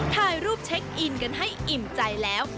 ถ่ายรูปเช็คอินกันให้อิ่มใจแล้ว